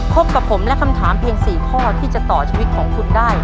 พบกับผมและคำถามเพียง๔ข้อที่จะต่อชีวิตของคุณได้